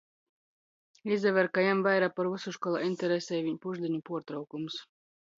Izaver, ka jam vaira par vysu školā iņteresej viņ pušdiņu puortraukums...